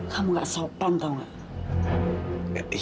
kamu nggak sopan tahu nggak